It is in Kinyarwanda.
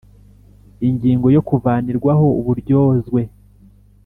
Ingingo ya kuvanirwaho uburyozwe